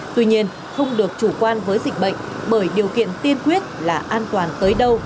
tuy nhiên không được chủ quan với dịch bệnh bởi điều kiện tiên quyết là an toàn tới đâu